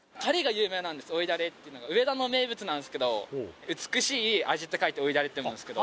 おいだれってのが上田の名物なんですけど美しい味って書いて「おいだれ」って読むんですけど